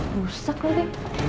rusak loh ini